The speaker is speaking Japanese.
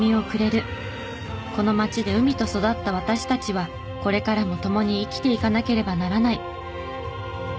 この町で海と育った私たちはこれからも共に生きていかなければならない。